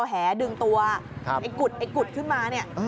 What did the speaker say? ตอนที่เอาแหดึงตัวไอ้กุฑตขึ้นมาเนี่ย